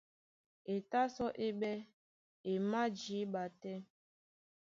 E tá sɔ́ é ɓɛ́ e májǐɓa tɛ́.